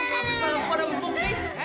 lagi malem padam buk nih